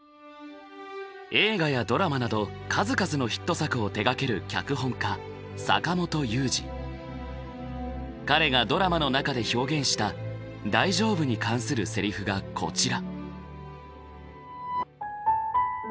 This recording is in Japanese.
映画やドラマなど数々のヒット作を手がける彼がドラマの中で表現した大丈夫に関する台詞がこちら。